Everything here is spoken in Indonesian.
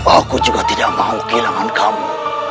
aku juga tidak mau kehilangan kamu